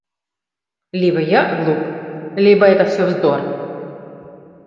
Либо я глуп, либо это все - вздор.